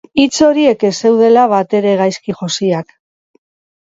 Hitz horiek ez zeudela batere gaizki josiak.